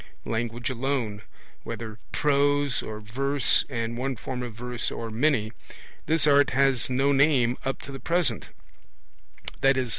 Language alone (whether prose or verse, and one form of verse or many): this art has no name up to the present (i.e.